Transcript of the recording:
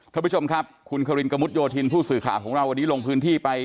ท่านผู้ชมครับคุณครินกระมุดโยธินผู้สื่อข่าวของเราวันนี้ลงพื้นที่ไป